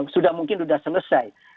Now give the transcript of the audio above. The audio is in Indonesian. sudah mungkin sudah selesai